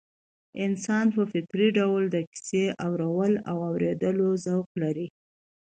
انسان په فطري ډول د کيسې اورولو او اورېدلو ذوق لري